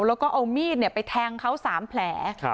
แล้วก็เอามีดไปแทงเขา๓แผล